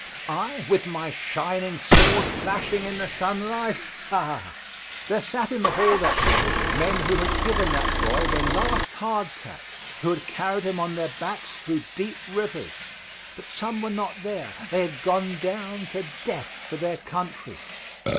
I, with my "shining sword flashing in the sunlight." Ah! There sat in the hall that day men who had given that boy their last hard tack, who had carried him on their backs through deep rivers. But some were not there; they had gone down to death for their country.